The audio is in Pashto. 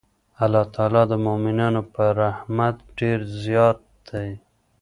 الله تعالی د مؤمنانو په رحمت ډېر زیات دی.